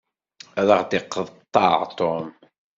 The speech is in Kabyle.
Ad aɣ-d-iqeṭṭeɛ Tom.